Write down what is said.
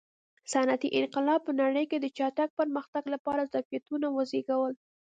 صنعتي انقلاب په نړۍ کې د چټک پرمختګ لپاره ظرفیتونه وزېږول.